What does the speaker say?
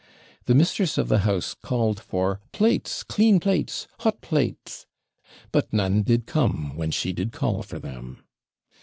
The mistress of the house called for 'plates, clean plates! hot plates!' 'But none did come, when she did call for them.'